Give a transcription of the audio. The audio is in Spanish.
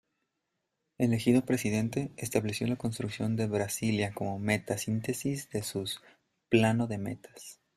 Elegido presidente, estableció la construcción de Brasilia como meta-síntesis de su "Plano de Metas".